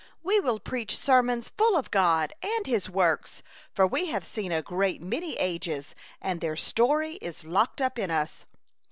We will preach sermons full of God and his works, for we have seen a great many ages, and their story is locked up in us."